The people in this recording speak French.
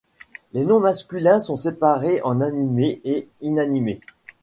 Les noms masculins sont séparés en animés et inanimés.